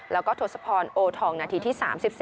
แล้วก็ทศพรโอทองนาทีที่๓๔